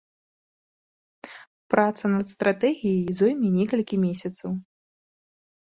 Праца над стратэгіяй зойме некалькі месяцаў.